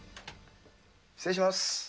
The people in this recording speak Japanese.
失礼します。